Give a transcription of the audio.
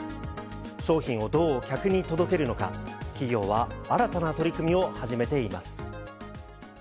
商品をどう客に届けるのか、企業は新たな取り組みを始めています。